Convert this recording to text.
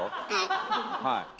はい。